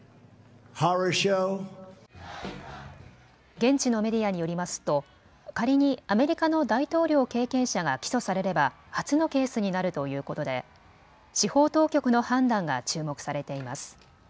現地のメディアによりますと仮にアメリカの大統領経験者が起訴されれば初のケースになるということで司法当局の判断が注目されています。